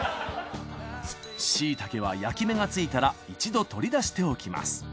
しいたけは焼き目がついたら一度取り出しておきます